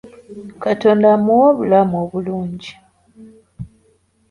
Katonda amuwe obulamu obulungi.